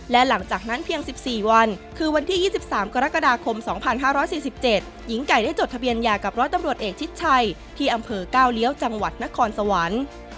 และหลังจากนั้นเพียง๑๔วันคือวันที่๒๓กรกฎาคม๒๕๔๗หญิงไก่ได้จดทะเบียนหย่ากับร้อยตำรวจเอกชิดชัยที่อำเภอก้าวเลี้ยวจังหวัดนครสวรรค์